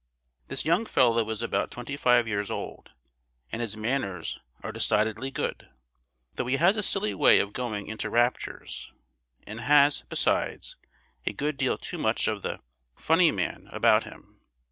This young fellow is about twenty five years old, and his manners are decidedly good, though he has a silly way of going into raptures, and has, besides, a good deal too much of the "funny man" about him.